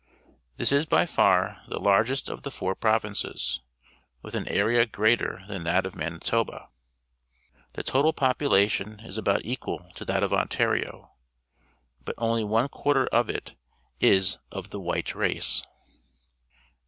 — This is by ar the largest of the four provinces, with an area greater than that of Manitoba. The total population is about equal to that of Ontario, but only one quarter of it is of the white race.